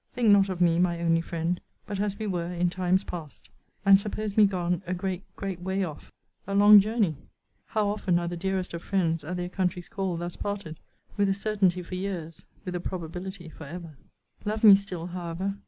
Think not of me, my only friend, but as we were in times past: and suppose me gone a great, great way off! A long journey! How often are the dearest of friends, at their country's call, thus parted with a certainty for years with a probability for ever. Love me still, however.